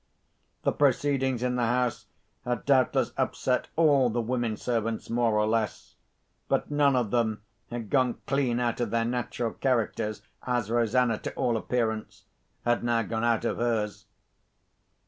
The proceedings in the house had doubtless upset all the women servants more or less; but none of them had gone clean out of their natural characters, as Rosanna, to all appearance, had now gone out of hers.